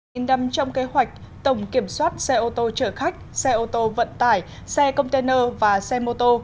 nhìn nằm trong kế hoạch tổng kiểm soát xe ô tô chở khách xe ô tô vận tải xe container và xe mô tô